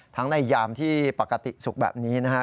ทั้งในยามที่ปกติสุขแบบนี้นะครับ